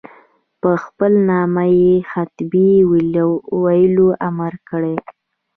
په خپل نامه یې خطبې ویلو امر کړی.